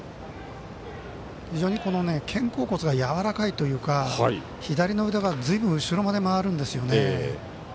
非常に肩甲骨がやわらかいというか左の腕がずいぶん後ろまで回るんですよね。